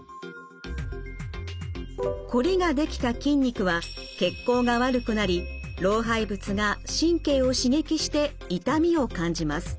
こりができた筋肉は血行が悪くなり老廃物が神経を刺激して痛みを感じます。